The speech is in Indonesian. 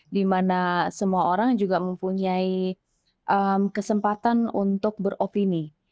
dimana semua orang juga mempunyai kesempatan untuk beropini